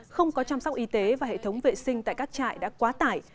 không có chăm sóc y tế và hệ thống vệ sinh tại các trại đã quá tải